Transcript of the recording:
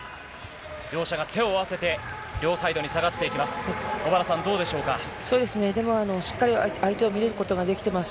両者が手を合わせて両サイドに下がっていきます。